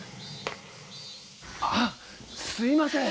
あっすいません！